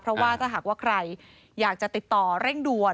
เพราะว่าถ้าหากว่าใครอยากจะติดต่อเร่งด่วน